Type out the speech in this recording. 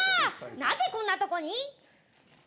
なぜこんなとこに？